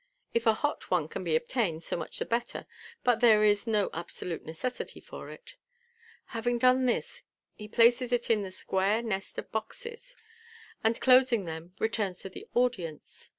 (If a hot one can be obtained, so much the better, but there is no absolute necessity for it.) Having done this, he places it in the square nest of boxes (see page 197)* and closing them returns to the audience.